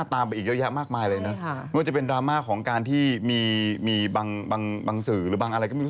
ที่เคยมีคดีแบบนี้